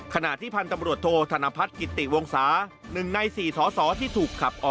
ขณะที่พันธ์ตำรวจโทธนพัฒน์กิตติวงศา